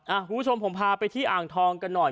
คุณผู้ชมผมพาไปที่อ่างทองกันหน่อย